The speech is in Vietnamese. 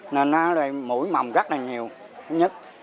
nên nó mũi mầm rất là nhiều nhất